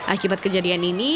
akibat kejadian ini